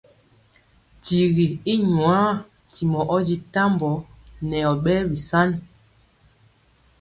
Tigi i nwaa ntimɔ ɔ di tambɔ nɛ ɔ ɓɛɛ bisan.